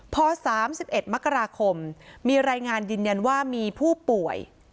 พอ๓๑มกราคมมีรายงานยืนยันว่ามีผู้ป่วย